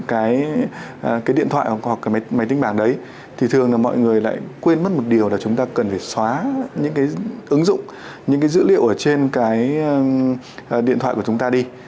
cái điện thoại hoặc cái máy tính bảng đấy thì thường là mọi người lại quên mất một điều là chúng ta cần phải xóa những cái ứng dụng những cái dữ liệu ở trên cái điện thoại của chúng ta đi